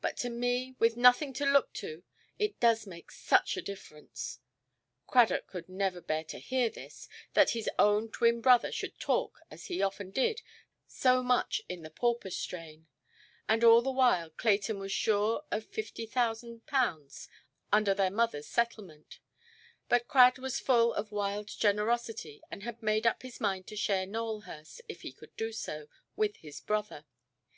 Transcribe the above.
But to me, with nothing to look to, it does make such a difference". Cradock never could bear to hear this—that his own twin–brother should talk, as he often did, so much in the pauper strain. And all the while Clayton was sure of 50,000_l._ under their motherʼs settlement. But Crad was full of wild generosity, and had made up his mind to share Nowelhurst, if he could do so, with his brother.